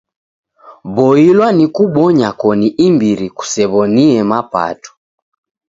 Boilwa ni kubonya koni imbiri kusew'oniemapato.